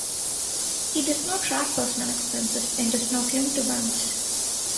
It does not track personal expenses and does not link to banks.